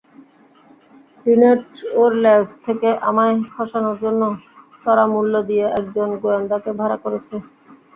Linate ওর লেজ থেকে আমায় খসানোর জন্য চড়া মূল্য দিয়ে একজন গোয়েন্দাকে ভাড়া করেছে।